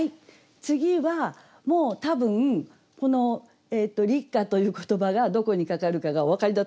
次はもう多分「立夏」という言葉がどこにかかるかがお分かりだと思うんです。